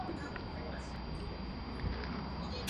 繁衍吧！